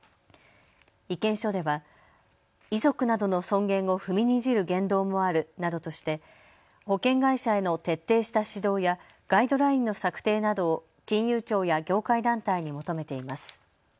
意見書では遺族などの尊厳を踏みにじる言動もあるなどとして保険会社への徹底した指導やガイドラインの策定などを金融庁や業界団体に求めています。